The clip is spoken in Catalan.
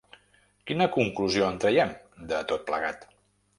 Quina conclusió en traiem, de tot plegat?